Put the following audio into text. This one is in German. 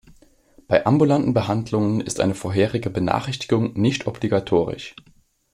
Bei ambulanten Behandlungen ist eine vorherige Benachrichtigung nicht obligatorisch.